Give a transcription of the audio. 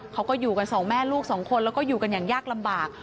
เขาก็อยู่กันสองแม่ลูกสองคนแล้วก็อยู่กันอย่างยากลำบาก